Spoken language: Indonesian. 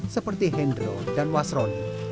seperti hendro dan wasroni